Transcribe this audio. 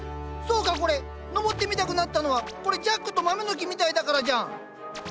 そうかこれ登ってみたくなったのはこれ「ジャックと豆の木」みたいだからじゃん。